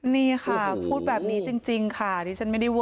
นี่ค่ะพูดแบบนี้จริงค่ะดิฉันไม่ได้ว่า